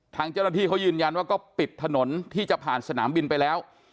ทางเจ้าหน้าที่เขายืนยันว่าก็ปิดถนนที่จะผ่านสนามบินไปแล้ว